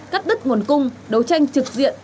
cắt đứt nguồn cung đấu tranh trực diện